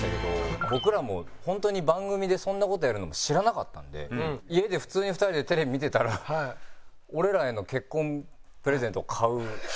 僕らもホントに番組でそんな事やるの知らなかったので家で普通に２人でテレビ見てたら俺らへの結婚プレゼントを買う。